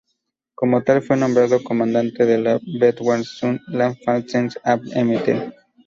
Como tal, fue nombrado Comandante de la Verwaltungs-Luftwaffen Amt.